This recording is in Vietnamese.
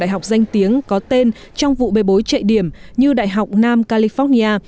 đại học danh tiếng có tên trong vụ bê bối chạy điểm như đại học nam california